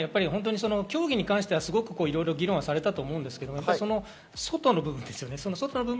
競技に関してはすごくいろいろ議論されたと思いますが、外ですよね？